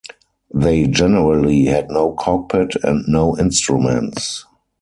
They generally had no cockpit and no instruments.